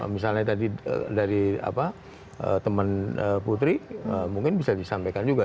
misalnya tadi dari teman putri mungkin bisa disampaikan juga